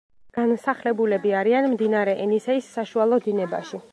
განსახლებულები არიან მდინარე ენისეის საშუალო დინებაში.